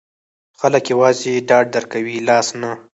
خلګ یوازې ډاډ درکوي، لاس نه.